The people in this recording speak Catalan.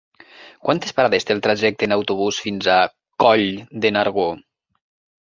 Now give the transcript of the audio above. Quantes parades té el trajecte en autobús fins a Coll de Nargó?